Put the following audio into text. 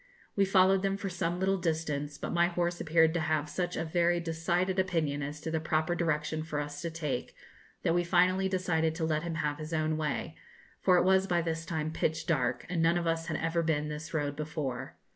We followed them for some little distance, but my horse appeared to have such a very decided opinion as to the proper direction for us to take, that we finally decided to let him have his own way, for it was by this time pitch dark, and none of us had ever been this road before.